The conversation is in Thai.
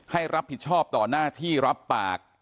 ให้รับผิดชอบต่อหน้าที่รับปาก